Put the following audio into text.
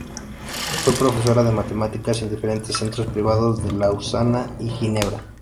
Fue profesora de matemáticas en diferentes centros privados de Lausana y Ginebra.